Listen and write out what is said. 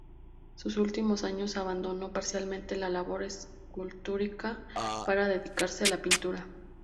Sus últimos años abandonó parcialmente la labor escultórica, para dedicarse a la pintura.